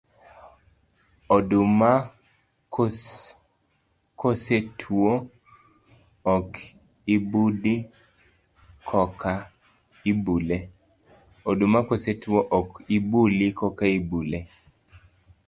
Oduma kosetwo ok ibudi koka ibule.